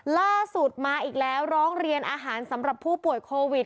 ล่าสุดมาอีกแล้วร้องเรียนอาหารสำหรับผู้ป่วยโควิด